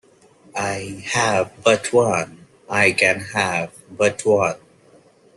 I have but one; I can have but one.